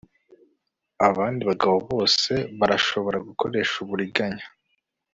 abandi bagabo bose barashobora gukoresha uburiganya